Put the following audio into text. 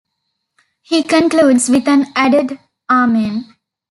He concludes with an added "Amen".